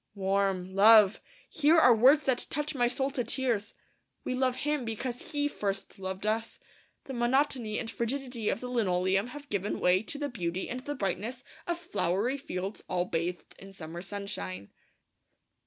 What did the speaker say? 'Warm' ... 'love' ... here are words that touch my soul to tears. 'We love Him because He first loved us.' The monotony and frigidity of the linoleum have given way to the beauty and the brightness of flowery fields all bathed in summer sunshine.